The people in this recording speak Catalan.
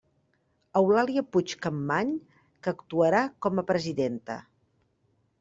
Eulàlia Puig Campmany, que actuarà com a presidenta.